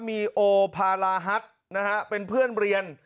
มีโอพาราฮัทนะฮะเป็นเพื่อนเรียน